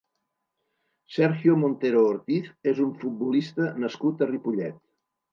Sergio Montero Ortiz és un futbolista nascut a Ripollet.